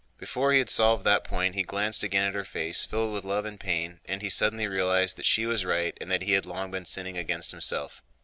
Before he had solved that point he glanced again at her face filled with love and pain, and he suddenly realized that she was right and that he had long been sinning against himself.